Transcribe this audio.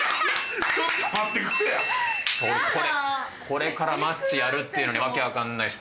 これからマッチやるというのに訳わかんない質問して。